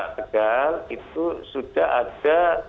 tegal itu sudah ada